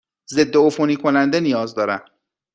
ضدعفونی کننده نیاز دارم.